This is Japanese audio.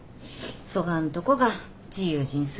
そがんとこが自由人すぎとよね。